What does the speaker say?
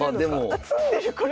あ詰んでるこれ！